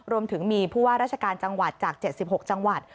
รวมถึงมีผู้ว่าราชการจังหวัดจาก๗๖จังหวัด